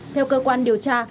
theo cơ quan điều tra